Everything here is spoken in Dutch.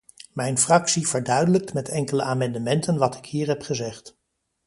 Mijn fractie verduidelijkt met enkele amendementen wat ik hier heb gezegd.